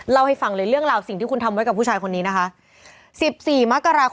เล่าให้ฟังเลยเรื่องราวสิ่งที่คุณทำไว้กับผู้ชายคนนี้นะคะ๑๔มกราคม